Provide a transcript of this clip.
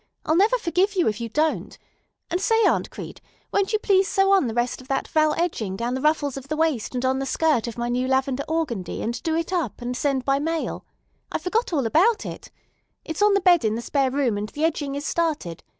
I'll never forgive you if you don't. And say, Aunt Crete, won't you please sew on the rest of that Val edging down the ruffles of the waist and on the skirt of my new lavender organdie, and do it up, and send it by mail? I forgot all about it. It's on the bed in the spare room, and the edging is started.